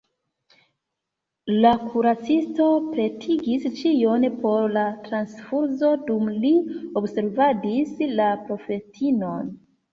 La kuracisto pretigis ĉion por la transfuzo, dum li observadis la profetinon.